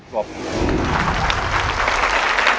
ขอบคุณครับ